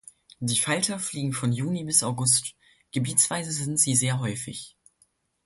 Die Falter fliegen von Juni bis August, gebietsweise sind sie sehr häufig.